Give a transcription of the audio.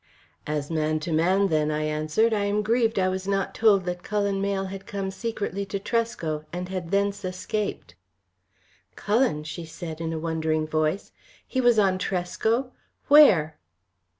"As man to man, then," I answered, "I am grieved I was not told that Cullen Mayle had come secretly to Tresco and had thence escaped." "Cullen!" she said, in a wondering voice. "He was on Tresco! Where?"